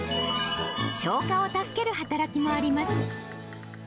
消化を助ける働きもあります。